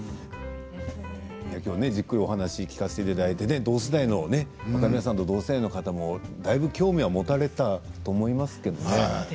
きょう、じっくりお話を聞かせていただいて若宮さんと同世代の方もだいぶ興味を持たれたと思いますけどね。